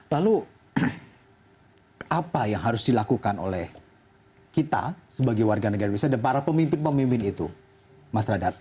lalu apa yang harus dilakukan oleh kita sebagai warga negara indonesia dan para pemimpin pemimpin itu mas radar